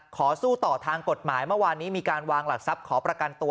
สู้ต่อทางกฎหมายเมื่อวานนี้มีการวางหลักทรัพย์ขอประกันตัว